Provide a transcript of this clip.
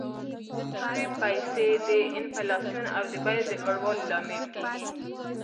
تورې پیسي د انفلاسیون او د بیو د لوړوالي لامل کیږي.